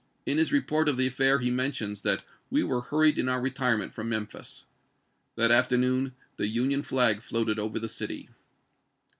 In his report of the affair he mentions that "we were hurried in our retirement from Mem phis." That afternoon the Union flag floated over the city.